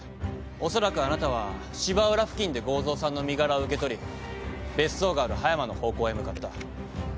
おそらくあなたは芝浦付近で剛蔵さんの身柄を受け取り別荘がある葉山の方向へ向かった。